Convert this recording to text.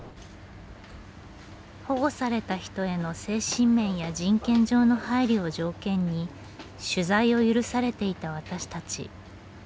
保護された人への精神面や人権上の配慮を条件に取材を許されていた私たち。